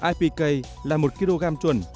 ipk là một kg chuẩn